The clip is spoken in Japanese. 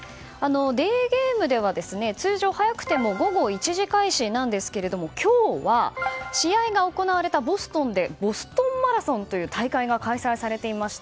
デーゲームでは通常、早くても午後１時開始なんですが今日は試合が行われたボストンでボストンマラソンという大会が開催されていました。